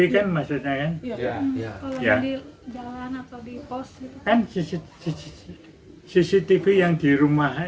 kan cctv yang di rumah